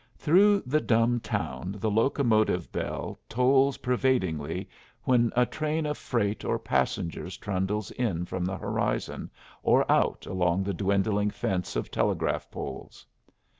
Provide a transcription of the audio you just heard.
Through the dumb town the locomotive bell tolls pervadingly when a train of freight or passengers trundles in from the horizon or out along the dwindling fence of telegraph poles.